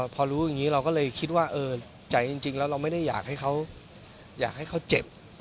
พอรู้อย่างนี้เราก็เลยคิดว่าใจจริงแล้วเราไม่ได้อยากให้เขาอยากให้เขาเจ็บ